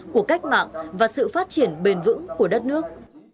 của cách mạng và sự phát triển bền vững của đất nước